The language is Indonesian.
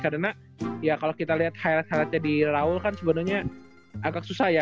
karena ya kalau kita lihat highlight highlightnya di rawul kan sebenarnya agak susah ya